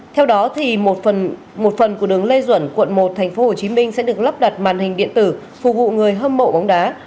theo đó một phần của đường lê duẩn quận một tp hcm sẽ được lắp đặt màn hình điện tử phục vụ người hâm mộ bóng đá